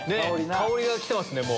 香りが来てますね。